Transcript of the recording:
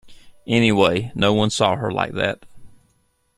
Anyway, no one saw her like that.